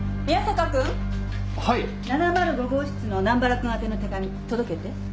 ７０５号室の南原君宛ての手紙届けて。